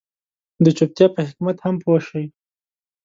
د چوپتيا په حکمت هم پوه شي.